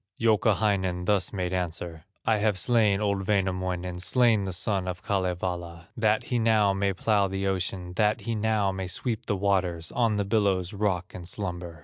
Youkahainen thus made answer: "I have slain old Wainamoinen, Slain the son of Kalevala, That he now may plow the ocean, That he now may sweep the waters, On the billows rock and slumber.